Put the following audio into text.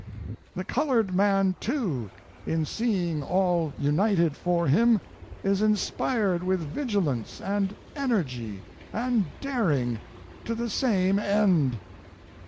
The colored man too, in seeing all united for him, is inspired with vigilance, and energy, and daring, to the same end.